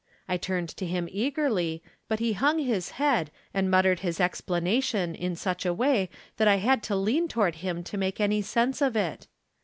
I turned to him eagerly, but he hung his head, and muttered his explana tion in such a way that I had to lean toward him to make any sense of it.